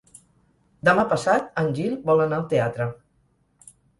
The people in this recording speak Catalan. Demà passat en Gil vol anar al teatre.